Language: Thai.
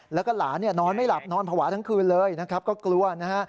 แล้วก็หลานนอนไม่หลับนอนผวาทั้งคืนเลยก็กลัวนะฮะ